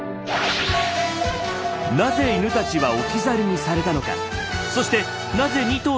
なぜ犬たちは置き去りにされたのか。